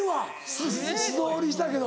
素通りしたけど。